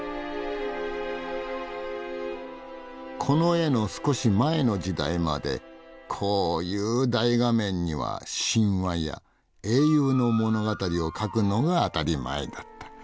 この絵の少し前の時代までこういう大画面には神話や英雄の物語を描くのが当たり前だった。